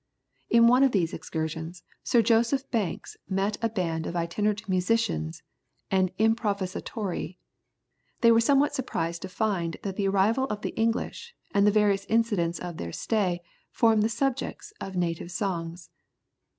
In one of these excursions, Sir Joseph Banks met a band of itinerant musicians and improvisatori. They were somewhat surprised to find that the arrival of the English, and the various incidents of their stay formed the subjects of native songs.